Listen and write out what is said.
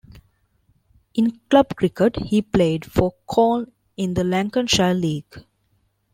In club cricket he played for Colne in the Lancashire League.